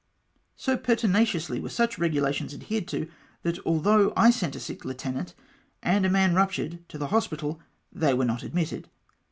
So pertinaciously were such regulations adhered to, that although I sent a sick lieutenant and a man ruptured to the hospital, they were not admitted.